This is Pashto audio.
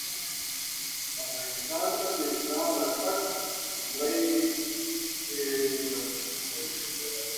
افغانستان ته د اسلام راتګ لومړی لوست دی.